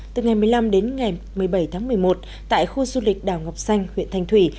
từ ngày một mươi năm đến ngày một mươi bảy tháng một mươi một tại khu du lịch đào ngọc xanh huyện thành thủy